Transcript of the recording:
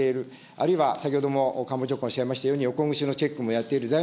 あるいは先ほども官房長官おっしゃいましたように、横ぐしのチェックもしっかりやっている。